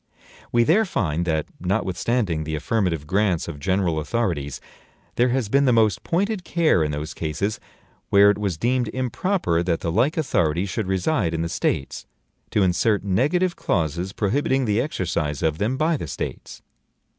We there find that, notwithstanding the affirmative grants of general authorities, there has been the most pointed care in those cases where it was deemed improper that the like authorities should reside in the States, to insert negative clauses prohibiting the exercise of them by the States.